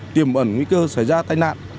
tìm ẩn nguy cơ xảy ra tai nạn